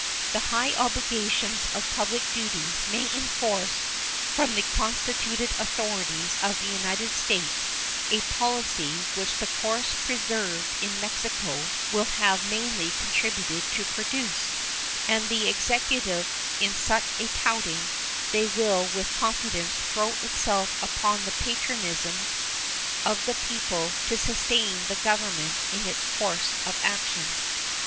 The high obligations of public duty may enforce from the constituted authorities of the United States a policy which the course persevered in by Mexico will have mainly contributed to produce, and the Executive in such a touting they will with confidence throw itself upon the patriotism of the people to sustain the Government in its course of action.